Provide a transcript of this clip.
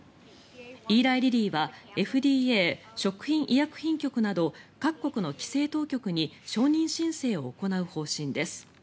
イーライリリーはＦＤＡ・食品医薬品局など各国の規制当局に承認申請を行う方針です。